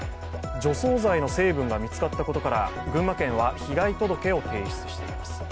除草剤の成分が見つかったことから群馬県は被害届を提出しています。